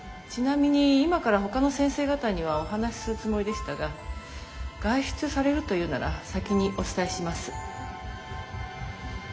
ちなみに今からほかの先生方にはお話しするつもりでしたが外出されるというなら先にお伝えします。